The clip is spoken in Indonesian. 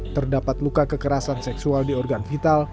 terdapat luka kekerasan seksual di organ vital